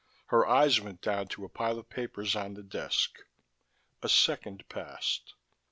Her eyes went down to a pile of papers on the desk. A second passed.